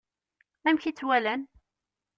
Amek i tt-walan?